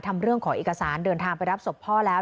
ทำเรื่องขอเอกสารเดินทางไปรับศพพ่อแล้ว